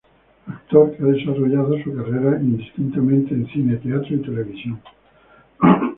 Actor que ha desarrollado su carrera indistintamente en cine, teatro y televisión.